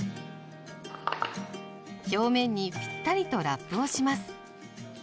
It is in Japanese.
表面にピッタリとラップをします。